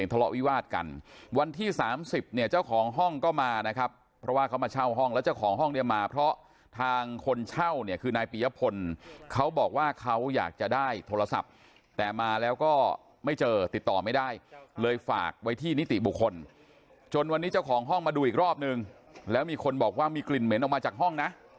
ทางคนเช่าเนี่ยคือนายปียพลเขาบอกว่าเขาอยากจะได้โทรศัพท์แต่มาแล้วก็ไม่เจอติดต่อไม่ได้เลยฝากไว้ที่นิติบุคคลจนวันนี้เจ้าของห้องมาดูอีกรอบนึงแล้วมีคนบอกว่ามีกลิ่นเหม็นออกมาจากห้องนะ